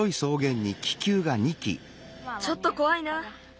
ちょっとこわいな。